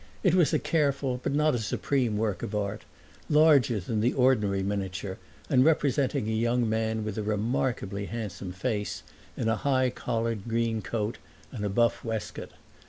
It was a careful but not a supreme work of art, larger than the ordinary miniature and representing a young man with a remarkably handsome face, in a high collared green coat and a buff waistcoat.